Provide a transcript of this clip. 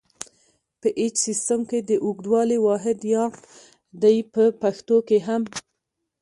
په ایچ سیسټم کې د اوږدوالي واحد یارډ دی په پښتو کې هم.